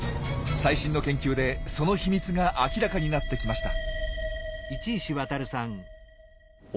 最新の研究でその秘密が明らかになってきました。